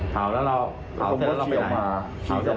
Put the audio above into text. เผาแล้วเราไปไหน